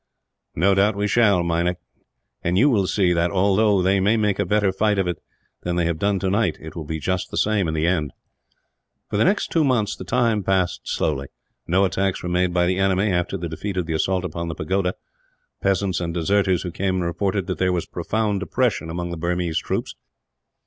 "No doubt we shall, Meinik; and you will see that, although they may make a better fight of it than they have done tonight, it will be just the same, in the end." For the next two months the time passed slowly. No attacks were made by the enemy, after the defeat of the assault upon the pagoda. Peasants and deserters who came in reported that there was profound depression among the Burmese troops.